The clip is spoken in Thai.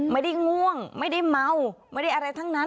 ง่วงไม่ได้เมาไม่ได้อะไรทั้งนั้น